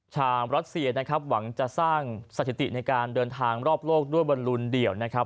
รัสเซียนะครับหวังจะสร้างสถิติในการเดินทางรอบโลกด้วยบอลลูนเดี่ยวนะครับ